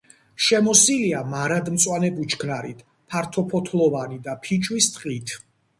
შემოსილია მარადმწვანე ბუჩქნარით, ფართოფოთლოვანი და ფიჭვის ტყით.